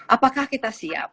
apakah kita siap